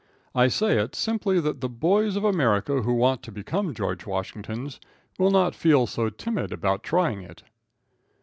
I say it simply that the boys of America who want to become George Washingtons will not feel so timid about trying it.